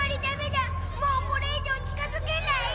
もうこれ以上近づけないよ